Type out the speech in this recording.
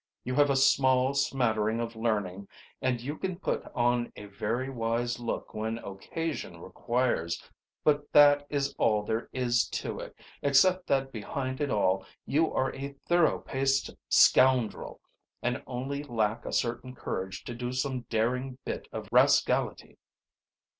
You have a small smattering of learning and you can put on a very wise look when occasion requires. But that is all there is to it, except that behind it all you are a thorough paced scoundrel and only lack a certain courage to do some daring bit of rascality."